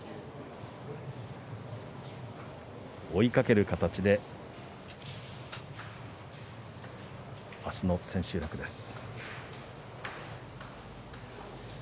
追いかける形で明日の千秋楽です。